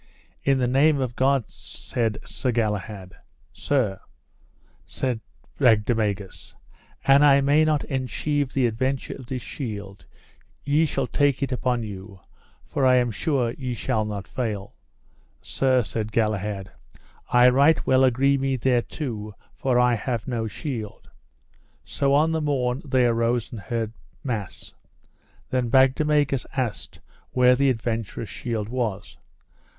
In the name of God, said Sir Galahad. Sir, said Bagdemagus, an I may not enchieve the adventure of this shield ye shall take it upon you, for I am sure ye shall not fail. Sir, said Galahad, I right well agree me thereto, for I have no shield. So on the morn they arose and heard mass. Then Bagdemagus asked where the adventurous shield was.